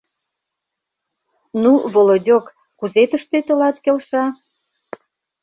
— Ну, Володёк, кузе тыште тылат келша?